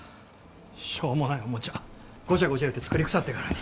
しょうもないおもちゃゴチャゴチャ言うて作りくさってからに。